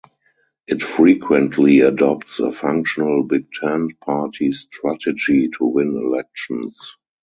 It frequently adopts a functional big tent party strategy to win elections.